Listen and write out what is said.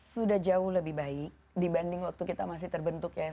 sudah jauh lebih baik dibanding waktu kita masih terbentuk ya